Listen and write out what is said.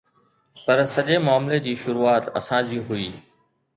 پر سڄي معاملي جي شروعات اسان جي هئي.